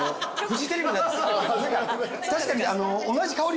確かに。